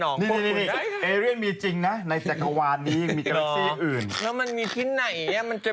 น้องแยมไหมล่ะ